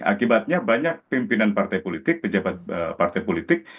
akibatnya banyak pimpinan partai politik pejabat partai politik